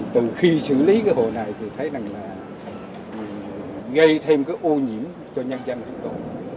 từ khi chữa lý cái hồ này thì thấy rằng là gây thêm cái ô nhiễm cho nhân dân tổ